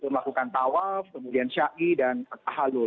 melakukan tawaf kemudian syai dan halul